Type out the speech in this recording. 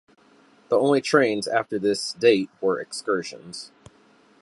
The only trains after this date were excursions.